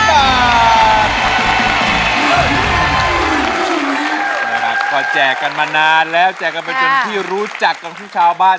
พระราชก็แจกกันมานานแล้วแจกกันไปจนที่รู้จักตามชุชาวบ้าน